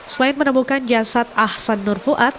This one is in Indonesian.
selain menemukan jasad ahsan nur fuad